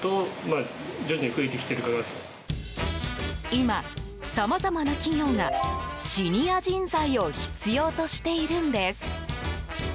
今、さまざまな企業がシニア人材を必要としているんです。